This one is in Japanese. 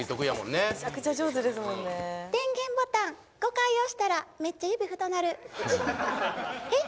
電源ボタン５回押したらメッチャ指太なるえっ